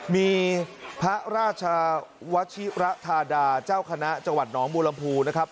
มีพระราชวชิระธาดาเจ้าคณะจังหวัดหนองบูรมภูนะครับ